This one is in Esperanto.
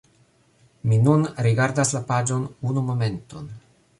Mi nun rigardas la paĝon unu momenton